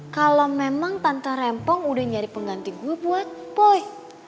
kalau memang tante rimpong udah nyari pengganti gue buat boy